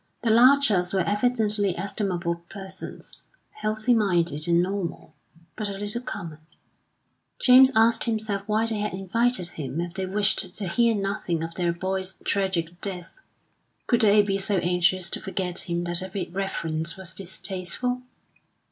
The Larchers were evidently estimable persons, healthy minded and normal, but a little common. James asked himself why they had invited him if they wished to hear nothing of their boy's tragic death. Could they be so anxious to forget him that every reference was distasteful?